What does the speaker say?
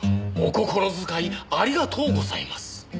お心遣いありがとうございます。